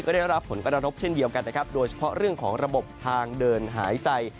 ได้รับผลกระทบเช่นเดียวกันนะครับโดยเฉพาะเรื่องของระบบทางเดินหายใจ